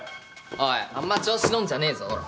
おいあんま調子乗んじゃねぇぞおら。